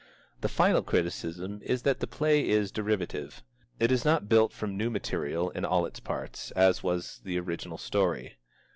The final criticism is that the play is derivative. It is not built from new material in all its parts, as was the original story.